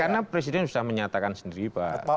karena presiden sudah menyatakan sendiri pak